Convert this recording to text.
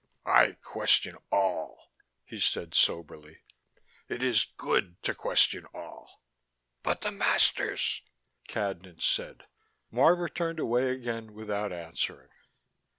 "I question all," he said soberly. "It is good to question all." "But the masters " Cadnan said. Marvor turned away again without answering.